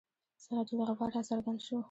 سراج الاخبار را څرګند شو.